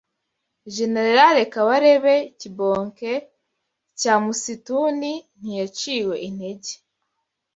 General Kabarebe Kibonge cya Musituni ntiyaciwe intege